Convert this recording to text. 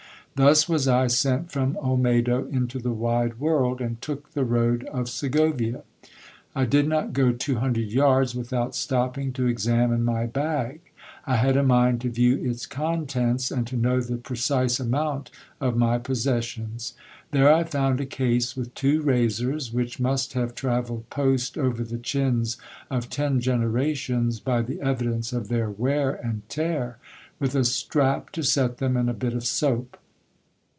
Thus was I sent from Olmedo into the wide world, and took the road of Segovia. I did not go two hundred yards without stopping to examine my bag. I had a mind to view its contents, and to know the precise amount of my possessions'. There I found a case with two razors, which must have travelled post over the chins of ten generations, by the evidence of their wear and tear, with a strap to set them, and a bit of soap.